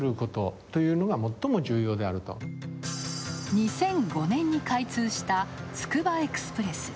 ２００５年に開通したつくばエクスプレス。